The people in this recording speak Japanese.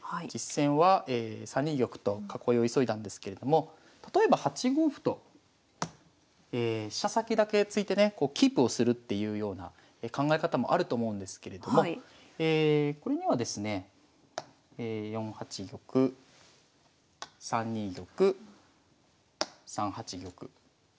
実戦は３二玉と囲いを急いだんですけれども例えば８五歩と飛車先だけ突いてねキープをするっていうような考え方もあると思うんですけれどもこれにはですね４八玉３二玉３八玉。